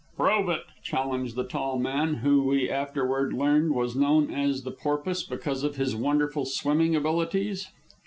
"Prove it," challenged the tall man, who we afterward learned was known as "The Porpoise" because of his wonderful swimming abilities.